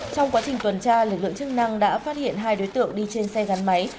trong quá trình tuần tra lực lượng chức năng đã phát hiện hai đối tượng đi trên xe gắn máy